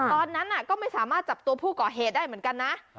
ตอนนั้นก็ไม่สามารถจับตัวผู้ก่อเหตุได้เหมือนกันนะ